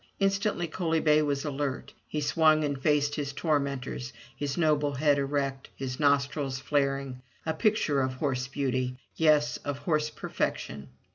Instantly Coaly bay was alert. He swung and faced his tormentors, his noble head erect, his nostrils flaring; a picture of horse beauty — yes, of horse perfection.